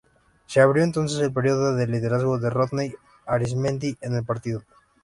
Se abrió entonces el período de liderazgo de Rodney Arismendi en el Partido.